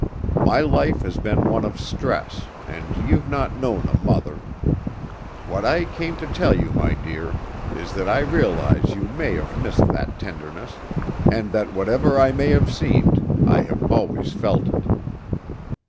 My life has been one of stress, and you've not known a mother. What I came to tell you, my dear, is that I realize you may have missed that tenderness, and that whatever I may have seemed, I have always felt it."